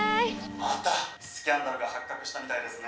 「またスキャンダルが発覚したみたいですね。